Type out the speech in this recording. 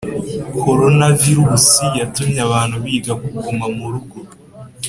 corona virusi yatumye abantu biga kuguma mu rugo